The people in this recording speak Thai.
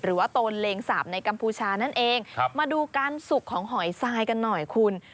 โตนเลงสาปในกัมพูชานั่นเองมาดูการสุกของหอยทรายกันหน่อยคุณ